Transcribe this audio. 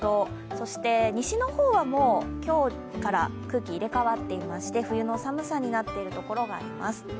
そして西の方はもう今日から空気入れ替わっていまして、冬の寒さになっている所があります。